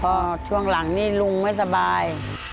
พอช่วงหลังนี่ลุงไม่สบาย